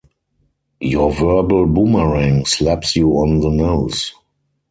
Your verbal boomerang slaps you on the nose.